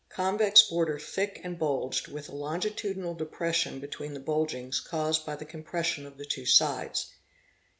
Convex border thick and bulged, with a longitudinal depression bet ween the bulgings caused by the compression of the two sides.